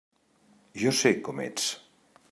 Jo sé com ets.